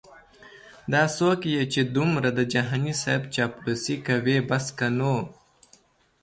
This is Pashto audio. دا څوک یې چې دمره د جهانې صیب چاپلوسې کوي بس که نو